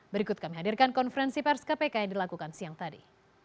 berikut kami hadirkan konferensi pers kpk yang dilakukan siang tadi